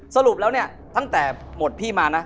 สรุปแล้วเนี่ยตั้งแต่หมดพี่มานะ